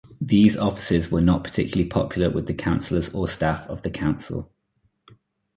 These offices were not particularly popular with the councillors or staff of the council.